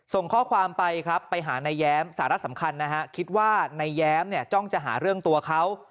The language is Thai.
ส่งข้อความไปครับไปหานายแย้มสาระสำคัญนะฮะคิดว่านายแย้มเนี่ยจ้องจะหาเรื่องตัวเขา